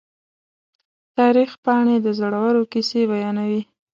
د تاریخ پاڼې د زړورو کیسې بیانوي.